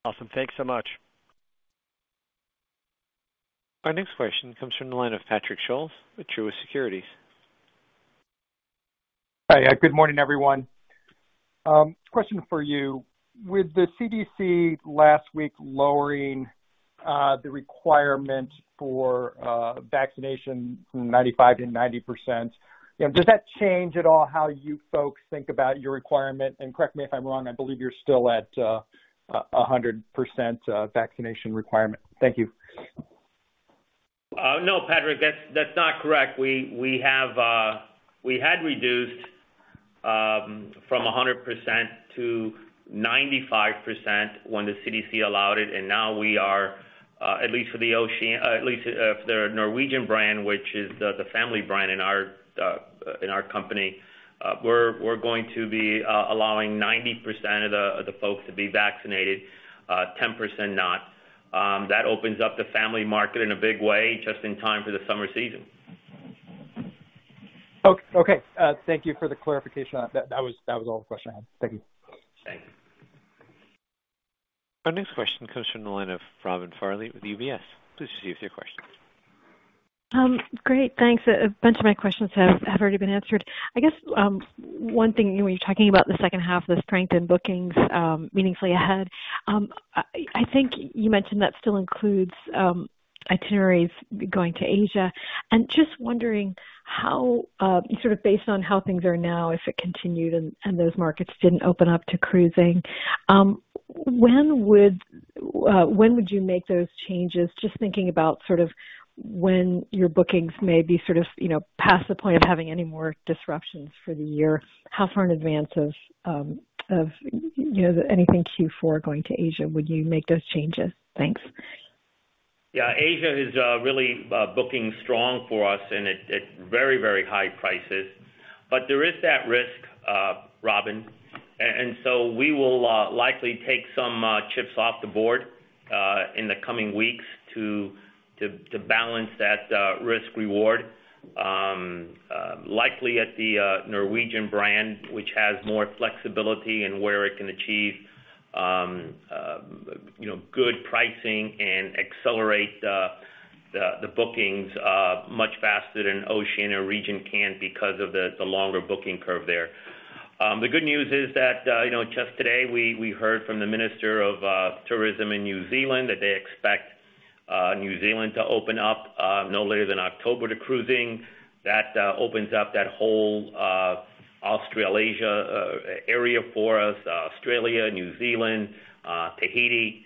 Awesome. Thanks so much. Our next question comes from the line of Patrick Scholes with Truist Securities. Hi. Good morning, everyone. Question for you. With the CDC last week lowering the requirement for vaccination from 95%-90%, you know, does that change at all how you folks think about your requirement? Correct me if I'm wrong, I believe you're still at a 100% vaccination requirement. Thank you. No, Patrick, that's not correct. We had reduced from 100% to 95% when the CDC allowed it. Now we are at least for the Oceania at least if they're a Norwegian brand, which is the family brand in our company. We're going to be allowing 90% of the folks to be vaccinated, 10% not. That opens up the family market in a big way, just in time for the summer season. Okay. Thank you for the clarification on that. That was all the question I had. Thank you. Thanks. Our next question comes from the line of Robin Farley with UBS. Please proceed with your question. Great. Thanks. A bunch of my questions have already been answered. I guess, one thing when you're talking about the second half of the strength in bookings, meaningfully ahead, I think you mentioned that still includes itineraries going to Asia. Just wondering how, sort of based on how things are now, if it continued and those markets didn't open up to cruising, when would you make those changes? Just thinking about sort of when your bookings may be sort of, you know, past the point of having any more disruptions for the year. How far in advance of, you know, anything Q4 going to Asia would you make those changes? Thanks. Yeah. Asia is really booking strong for us and at very, very high prices. There is that risk, Robin. We will likely take some chips off the board in the coming weeks to balance that risk reward. Likely at the Norwegian brand, which has more flexibility in where it can achieve you know good pricing and accelerate the bookings much faster than Oceania or Regent can because of the longer booking curve there. The good news is that you know just today we heard from the Minister of Tourism in New Zealand that they expect New Zealand to open up no later than October to cruising. That opens up that whole Australasia area for us, Australia, New Zealand, Tahiti.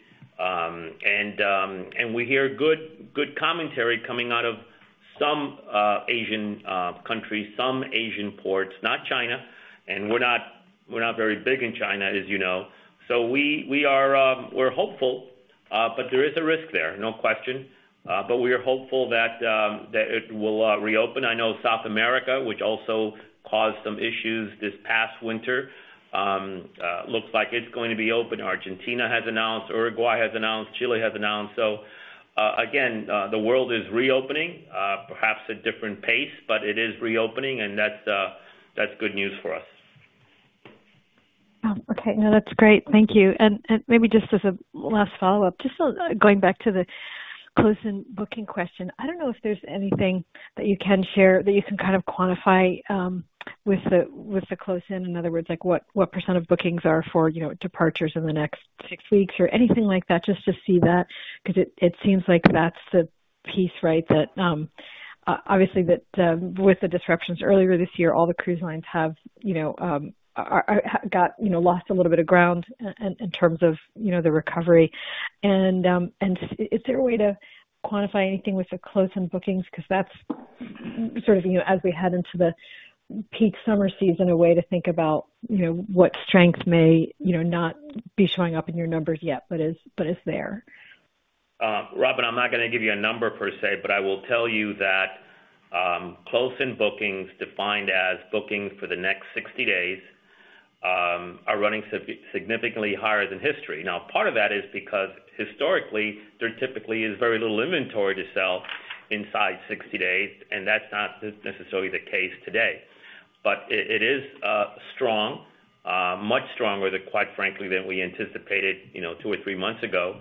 We hear good commentary coming out of some Asian countries, some Asian ports, not China. We're not very big in China, as you know. We're hopeful, but there is a risk there, no question. We are hopeful that that it will reopen. I know South America, which also caused some issues this past winter, looks like it's going to be open. Argentina has announced, Uruguay has announced, Chile has announced. Again, the world is reopening, at a different pace, but it is reopening and that's good news for us. Oh, okay. No, that's great. Thank you. Maybe just as a last follow-up, just going back to the close-in booking question. I don't know if there's anything that you can share that you can kind of quantify with the close-in. In other words, like what percent of bookings are for, you know, departures in the next six weeks or anything like that just to see that. 'Cause it seems like that's the piece, right? That obviously with the disruptions earlier this year, all the cruise lines have, you know, have got, you know, lost a little bit of ground in terms of, you know, the recovery. Is there a way to quantify anything with the close-in bookings? Because that's sort of, you know, as we head into the peak summer season, a way to think about, you know, what strength may, you know, not be showing up in your numbers yet, but is there. Robin, I'm not gonna give you a number per se, but I will tell you that close-in bookings defined as bookings for the next 60 days are running significantly higher than history. Now, part of that is because historically, there typically is very little inventory to sell inside 60 days, and that's not necessarily the case today. But it is strong. Much stronger than, quite frankly, than we anticipated, you know, two or three months ago.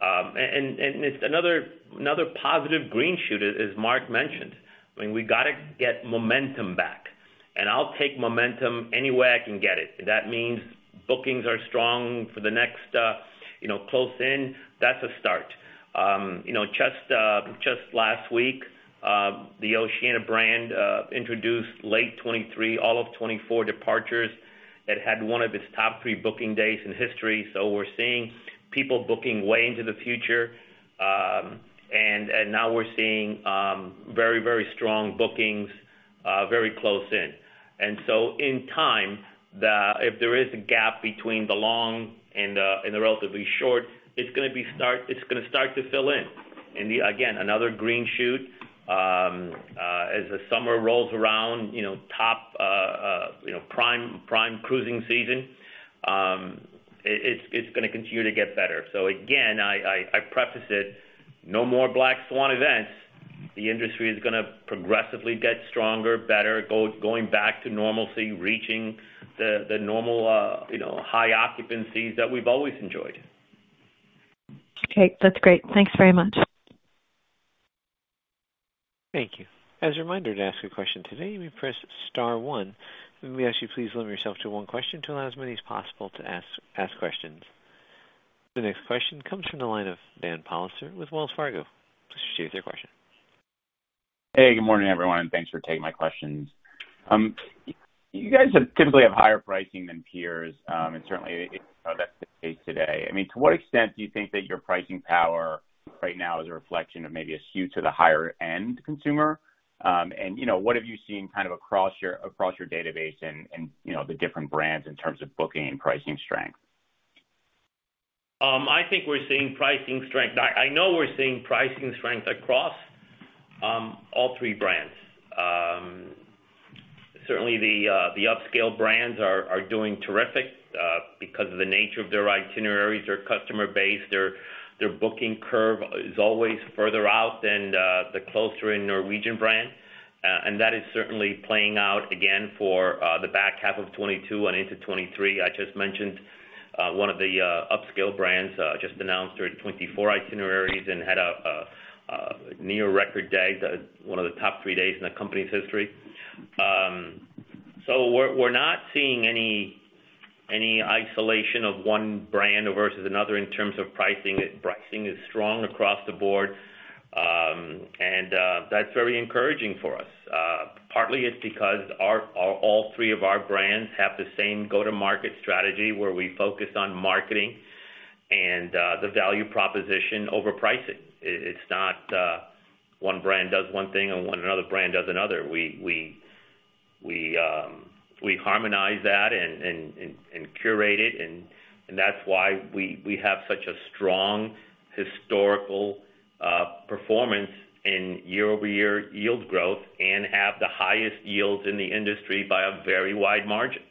It's another positive green shoot as Mark mentioned, I mean, we gotta get momentum back, and I'll take momentum any way I can get it. If that means bookings are strong for the next, you know, close-in, that's a start. You know, just last week, the Oceania brand introduced late 2023, all of 2024 departures that had one of its top three booking days in history. We're seeing people booking way into the future, and now we're seeing very strong bookings very close in. In time, if there is a gap between the long and the relatively short, it's gonna start to fill in. Again, another green shoot, as the summer rolls around, you know, top, you know, prime cruising season, it's gonna continue to get better. Again, I preface it, no more black swan events. The industry is gonna progressively get stronger, better, going back to normalcy, reaching the normal, you know, high occupancies that we've always enjoyed. Okay, that's great. Thanks very much. Thank you. As a reminder to ask a question today, you may press star one. Let me ask you, please limit yourself to one question to allow as many as possible to ask questions. The next question comes from the line of Dan Politzer with Wells Fargo. Please state your question. Hey, good morning, everyone, and thanks for taking my questions. You guys have typically have higher pricing than peers, and certainly that's the case today. I mean, to what extent do you think that your pricing power right now is a reflection of maybe a skew to the higher end consumer? You know, what have you seen kind of across your database and, you know, the different brands in terms of booking and pricing strength? I think we're seeing pricing strength. I know we're seeing pricing strength across all three brands. Certainly the upscale brands are doing terrific because of the nature of their itineraries, their customer base, their booking curve is always further out than the closer-in Norwegian brand. That is certainly playing out again for the back half of 2022 and into 2023. I just mentioned one of the upscale brands just announced their 24 itineraries and had a near record day, one of the top three days in the company's history. We're not seeing any isolation of one brand versus another in terms of pricing. Pricing is strong across the board. That's very encouraging for us. Partly it's because all three of our brands have the same go-to-market strategy where we focus on marketing and the value proposition over pricing. It's not one brand does one thing and another brand does another. We harmonize that and curate it and that's why we have such a strong historical performance in year-over-year yield growth and have the highest yields in the industry by a very wide margin.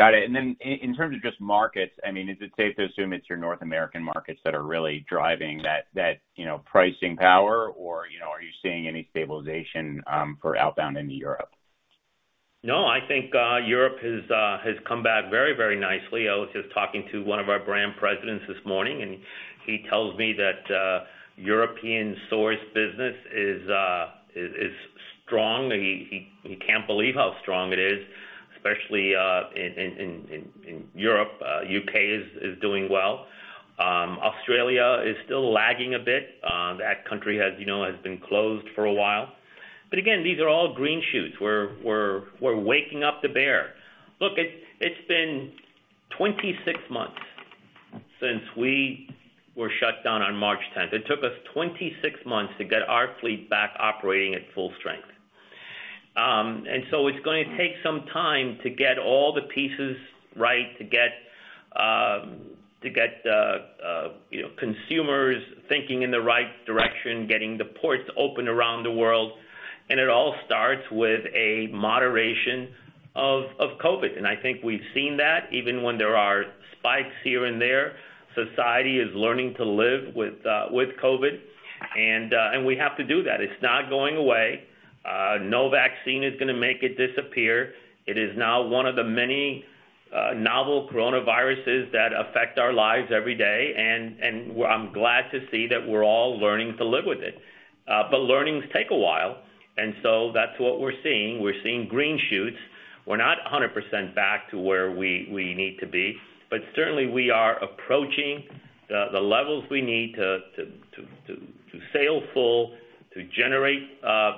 Got it. In terms of just markets, I mean, is it safe to assume it's your North American markets that are really driving that, you know, pricing power or, you know, are you seeing any stabilization for outbound into Europe? No, I think Europe has come back very, very nicely. I was just talking to one of our brand presidents this morning, and he tells me that European source business is strong. He can't believe how strong it is, especially in Europe. U.K. is doing well. Australia is still lagging a bit. That country, you know, has been closed for a while. But again, these are all green shoots. We're waking up the bear. Look, it's been 26 months since we were shut down on March tenth. It took us 26 months to get our fleet back operating at full strength. It's going to take some time to get all the pieces right, to get you know consumers thinking in the right direction, getting the ports open around the world. It all starts with a moderation of Of COVID, I think we've seen that even when there are spikes here and there. Society is learning to live with COVID, and we have to do that. It's not going away. No vaccine is gonna make it disappear. It is now one of the many novel coronaviruses that affect our lives every day. I'm glad to see that we're all learning to live with it. Learnings take a while, and so that's what we're seeing. We're seeing green shoots. We're not 100% back to where we need to be, but certainly we are approaching the levels we need to sail full, to generate a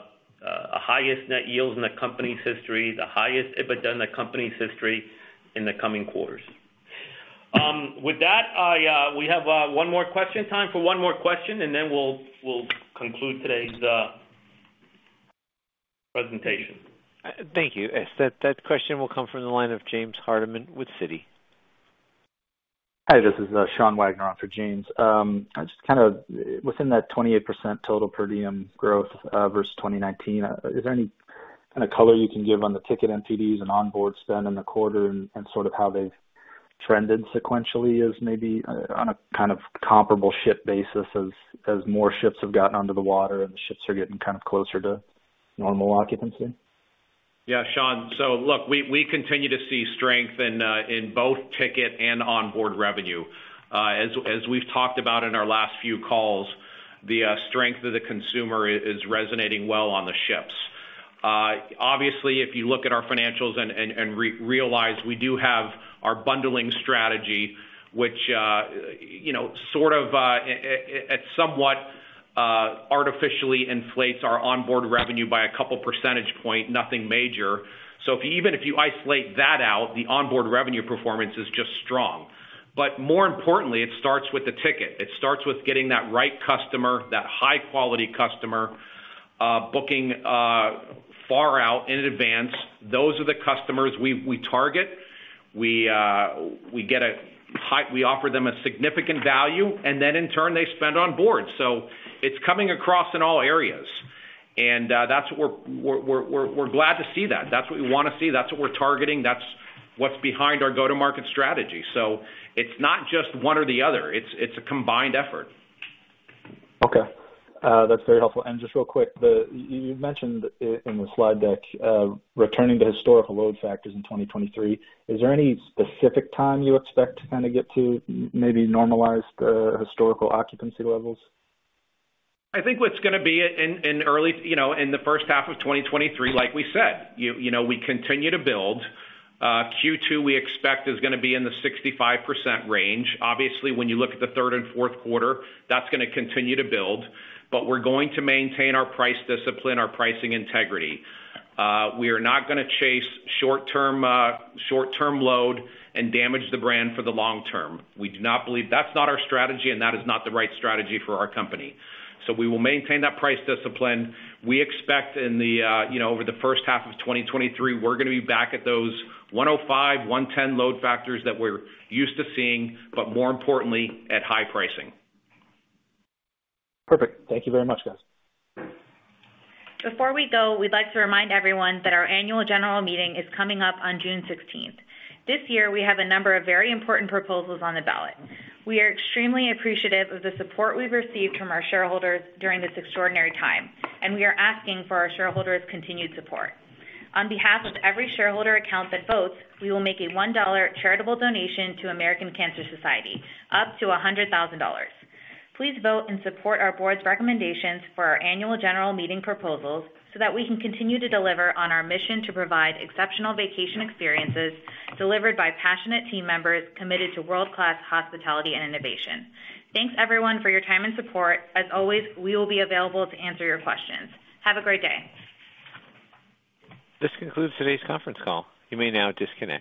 highest net yield in the company's history, the highest EBITDA in the company's history in the coming quarters. With that, we have one more question. Time for one more question, and then we'll conclude today's presentation. Thank you. Yes, that question will come from the line of James Hardiman with Citi. Hi, this is Sean Wagner on for James. Within that 28% total per diem growth versus 2019, is there any kind of color you can give on the ticket MTDs and onboard spend in the quarter and sort of how they've trended sequentially as maybe on a kind of comparable ship basis as more ships have gotten under the water and ships are getting kind of closer to normal occupancy? Yeah, Sean. Look, we continue to see strength in both ticket and onboard revenue. As we've talked about in our last few calls, the strength of the consumer is resonating well on the ships. Obviously if you look at our financials and realize we do have our bundling strategy, which you know sort of somewhat artificially inflates our onboard revenue by a couple percentage point, nothing major. Even if you isolate that out, the onboard revenue performance is just strong. But more importantly, it starts with the ticket. It starts with getting that right customer, that high quality customer booking far out in advance. Those are the customers we target. We get a high... We offer them a significant value, and then in turn they spend on board. It's coming across in all areas. That's what we're glad to see that. That's what we wanna see. That's what we're targeting. That's what's behind our go-to-market strategy. It's not just one or the other. It's a combined effort. Okay. That's very helpful. Just real quick, you mentioned in the slide deck returning to historical load factors in 2023. Is there any specific time you expect to kinda get to maybe normalized historical occupancy levels? I think what's gonna be in early, you know, in the first half of 2023, like we said. You know, we continue to build. Q2 we expect is gonna be in the 65% range. Obviously, when you look at the third and fourth quarter, that's gonna continue to build, but we're going to maintain our price discipline, our pricing integrity. We are not gonna chase short-term load and damage the brand for the long term. We do not believe. That's not our strategy, and that is not the right strategy for our company. We will maintain that price discipline. We expect in the, you know, over the first half of 2023, we're gonna be back at those 105, 110 load factors that we're used to seeing, but more importantly at high pricing. Perfect. Thank you very much, guys. Before we go, we'd like to remind everyone that our annual general meeting is coming up on June 16th. This year we have a number of very important proposals on the ballot. We are extremely appreciative of the support we've received from our shareholders during this extraordinary time, and we are asking for our shareholders' continued support. On behalf of every shareholder account that votes, we will make a $1 charitable donation to American Cancer Society, up to $100,000. Please vote and support our board's recommendations for our annual general meeting proposals so that we can continue to deliver on our mission to provide exceptional vacation experiences delivered by passionate team members committed to world-class hospitality and innovation. Thanks everyone for your time and support. As always, we will be available to answer your questions. Have a great day. This concludes today's conference call. You may now disconnect.